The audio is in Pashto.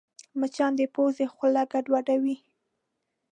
مچان د پوزې خوله ګډوډوي